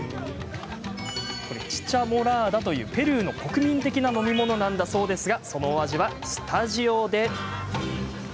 チチャモラーダという、ペルーの国民的な飲み物なんだそうですがそのお味はスタジオで！